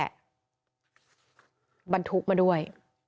บรรทุกมาด้วย